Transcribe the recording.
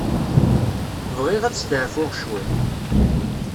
Bɣiɣ ad steɛfuɣ cwiṭ.